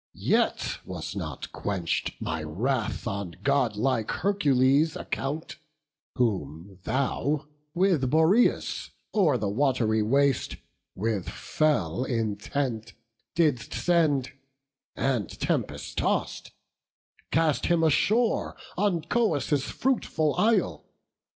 Yet was not quench'd My wrath on godlike Hercules' account, Whom thou, with Boreas, o'er the wat'ry waste With fell intent didst send; and tempest toss'd, Cast him ashore on Coos' fruitful isle.